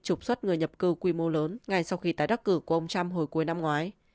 trục xuất người nhập cư quy mô lớn ngay sau khi tái đắc cử của ông trump hồi cuối năm ngoái